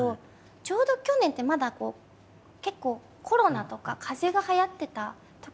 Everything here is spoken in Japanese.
ちょうど去年ってまだ結構コロナとかかぜがはやってたときで。